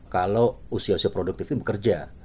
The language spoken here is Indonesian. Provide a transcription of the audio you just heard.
kalau usia usia produktif ini bekerja